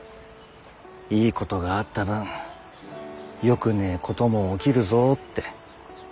いいことがあった分よくねえことも起きるぞって。